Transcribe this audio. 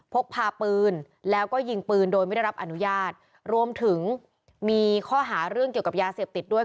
พกพาปืนแล้วก็ยิงปืนโดยไม่ได้รับอนุญาตรวมถึงมีข้อหาเรื่องเกี่ยวกับยาเสพติดด้วย